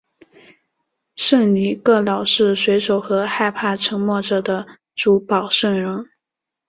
圣尼各老是水手和害怕沉没者的主保圣人。